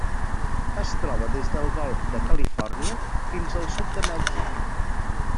Es troba des del Golf de Califòrnia fins al sud de Mèxic.